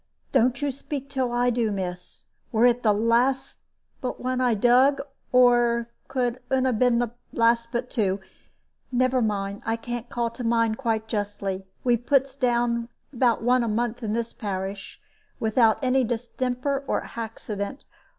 Don't you speak till I do, miss. Were it the last but one I dug? Or could un 'a been the last but two? Never mind; I can't call to mind quite justly. We puts down about one a month in this parish, without any distemper or haxident.